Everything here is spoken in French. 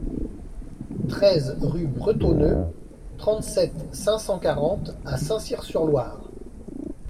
treize rue Bretonneau, trente-sept, cinq cent quarante à Saint-Cyr-sur-Loire